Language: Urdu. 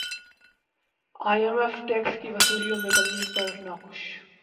ئی ایم ایف ٹیکس کی وصولیوں میں کمی پر ناخوش